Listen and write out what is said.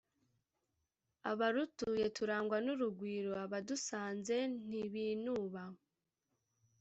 abarutuye turangwa n'urugwiro, abadusanze ntibinuba.